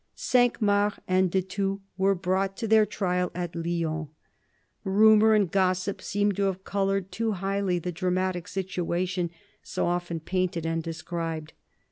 Cinq Mars and de Thou were brought to their trial at Lyons. Rumour and gossip seem to have coloured too highly the dramatic situation so often painted and de scribed.